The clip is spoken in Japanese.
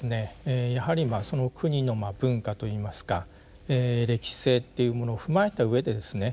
やはりまあその国の文化といいますか歴史性というものを踏まえたうえでですね